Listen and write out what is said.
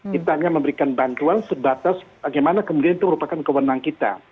kita hanya memberikan bantuan sebatas bagaimana kemudian itu merupakan kewenangan kita